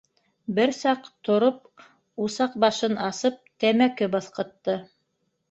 Бер саҡ, тороп усаҡ башын асып, тәмәке быҫҡытты.